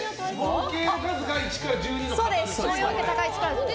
合計の数が１から１２の方ですね。